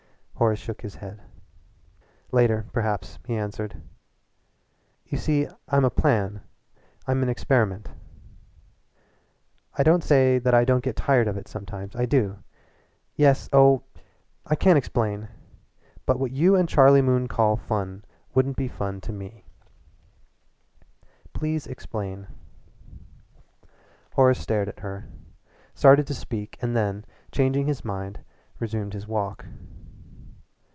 Horace shook his head. "Later, perhaps," he answered. "You see I'm a plan. I'm an experiment. I don't say that I don't get tired of it sometimes I do. Yet oh, I can't explain! But what you and Charlie Moon call fun wouldn't be fun to me." "Please explain." Horace stared at her, started to speak and then, changing his mind, resumed his walk.